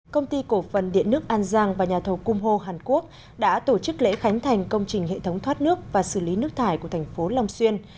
công ty cổ phần điện nước an giang và nhà thầu cung hô hàn quốc đã tổ chức lễ khánh thành công trình hệ thống thoát nước và xử lý nước thải của thành phố long xuyên